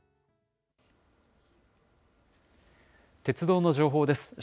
鉄道の情報です。